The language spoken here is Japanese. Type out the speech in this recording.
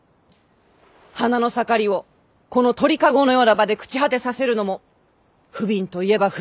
花の盛りをこの鳥籠のような場で朽ち果てさせるのも不憫といえば不憫。